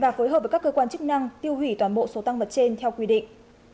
và phối hợp với các cơ quan chức năng tiêu hủy toàn bộ số tăng vật trên theo quy định